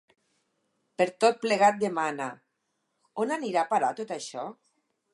Per tot plegat, demana: On anirà a parar això?